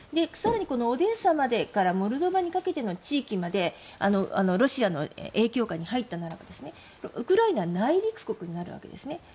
更にオデーサからモルドバにかけての地域までロシアの影響下に入ったならウクライナ内陸国になるわけですね。